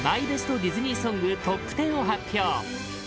ディズニーソングトップ１０を発表